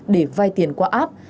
để vai tiền qua app